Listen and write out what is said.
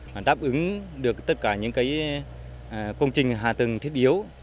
và đáp ứng được tất cả những công trình hạ tầng thiết yếu